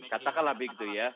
katakanlah begitu ya